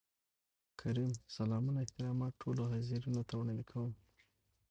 کريم : سلامونه احترامات ټولو حاضرينو ته وړاندې کوم.